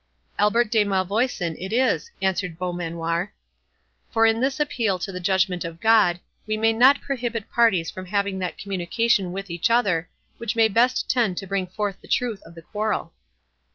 "Albert de Malvoisin, it is," answered Beaumanoir; "for in this appeal to the judgment of God, we may not prohibit parties from having that communication with each other, which may best tend to bring forth the truth of the quarrel."